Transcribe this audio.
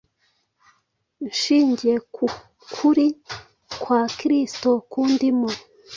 Nshingiye ku kuri kwa Kristo kundimo,